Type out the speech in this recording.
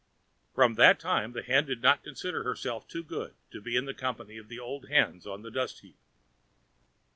From that time the Hen did not consider herself too good to be in the company of the old hens on the dust heap.